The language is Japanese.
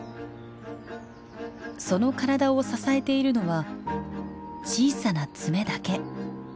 その体を支えているのは小さな爪だけ。